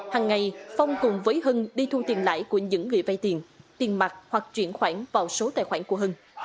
hằng ngày phong cùng với hân đi thu tiền lãi của những người vai tiền tiền mặt hoặc chuyển khoản vào số tài khoản của hân